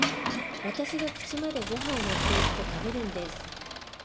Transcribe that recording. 私が口までごはんを持っていくと食べるんです。